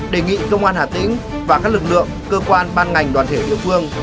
đề nghị công an hà tĩnh và các lực lượng cơ quan ban ngành đoàn thể địa phương